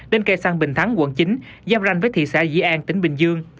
đến cây xăng bình thắng quận chín giáp ranh với thị xã dĩ an tỉnh bình dương